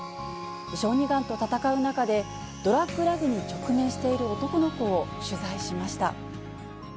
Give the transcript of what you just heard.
小児がんと闘う中で、ドラッグ・ラグに直面している男の子を取材しました。